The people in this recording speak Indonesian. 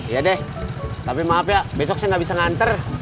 ya deh tapi maaf ya besok saya nggak bisa nganter